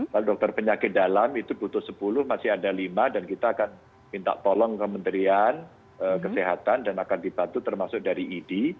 kalau dokter penyakit dalam itu butuh sepuluh masih ada lima dan kita akan minta tolong kementerian kesehatan dan akan dibantu termasuk dari idi